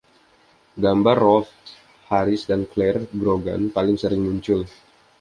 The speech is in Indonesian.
Gambar Rolf Harris dan Clare Grogan paling sering muncul.